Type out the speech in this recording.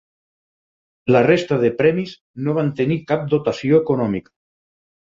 La resta de premis no van tenir cap dotació econòmica.